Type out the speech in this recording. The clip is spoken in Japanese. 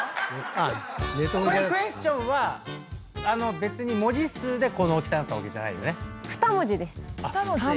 これクエスチョンは別に文字数でこの大きさになったわけじゃないよね？